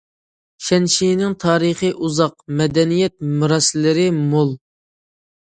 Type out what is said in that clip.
شەنشىنىڭ تارىخى ئۇزاق، مەدەنىيەت مىراسلىرى مول.